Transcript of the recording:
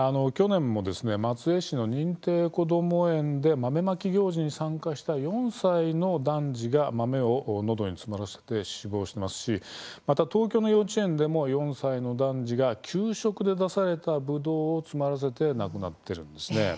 松江市の認定こども園で豆まき行事に参加した４歳の男児が豆をのどに詰まらせて死亡していますしまた東京の幼稚園でも４歳の男児が給食で出されたぶどうを詰まらせて亡くなっているんです。